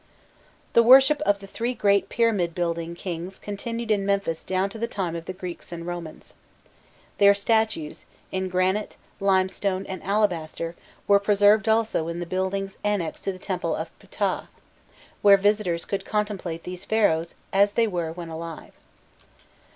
The worship of the three great pyramid building kings continued in Memphis down to the time of the Greeks and Romans. Their statues, in granite, limestone, and alabaster, were preserved also in the buildings annexed to the temple of Phtah, where visitors could contemplate these Pharaohs as they were when alive.